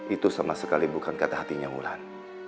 itu sama sekali bukan kata hatinya wulan